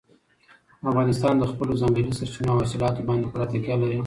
افغانستان د خپلو ځنګلي سرچینو او حاصلاتو باندې پوره تکیه لري.